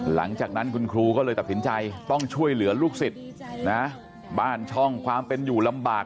หลังจากนั้นคุณครูก็เลยตัดสินใจต้องช่วยเหลือลูกศิษย์นะบ้านช่องความเป็นอยู่ลำบาก